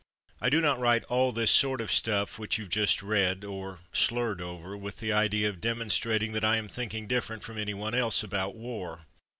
I do not write all this sort of stuff which youVe just read (or slurred over) with the idea of demonstrating that I am thinking different from any one else about war.